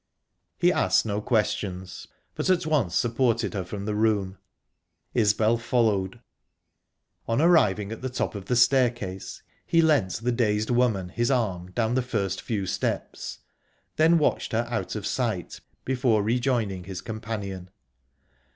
He asked no questions, but at once supported her from the room. Isbel followed. On arriving at the top of the staircase, he lent the dazed woman his arm down the first few steps, then watched her out of sight before rejoining his companion.